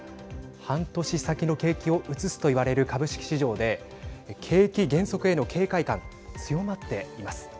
半年先の景気を映すといわれる株式市場で景気減速への警戒感強まっています。